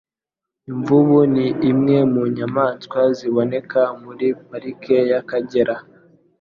Imvubu ni imwe mu nyamaswa ziboneka muri Pariki y'Akagera